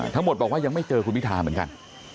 ทั้งหมดบอกว่ายังไม่เจอคุณพิทาเหมือนกัน